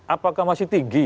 apakah masih tinggi